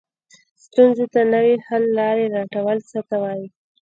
ستونزو ته نوې حل لارې لټول څه ته وایي؟